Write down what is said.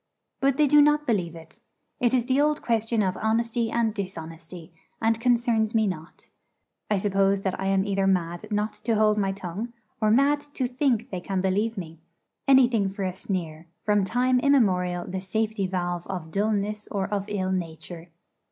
But they do not believe it. It is the old question of honesty and dishonesty, and concerns me not. I suppose that I am either mad not to hold my tongue, or mad to think they can believe me anything for a sneer, from time immemorial the safety valve of dulness or of ill nature.